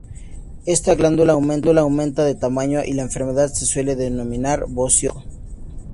Ésta glándula aumenta de tamaño y la enfermedad se suele denominar "bocio tóxico".